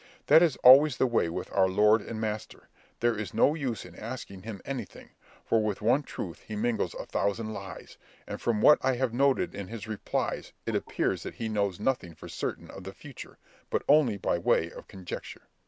That is always the way with our lord and master; there is no use in asking him anything, for with one truth he mingles a thousand lies, and from what I have noted of his replies it appears that he knows nothing for certain of the future, but only by way of conjecture.